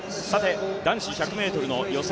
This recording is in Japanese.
男子１００ｍの予選